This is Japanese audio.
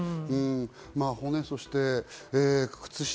骨、そして靴下。